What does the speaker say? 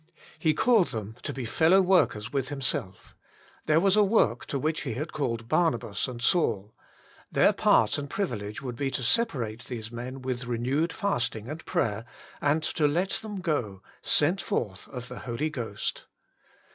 He called them to be fellow workers with Himself ; there was a work to which He had called Barnabas and Saul ; their part and privilege would be to separate these men with renewed fasting and prayer, and to let them go, " sent forth of the Holy Ghost."